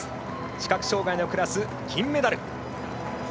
視覚障がいのクラス、金メダル。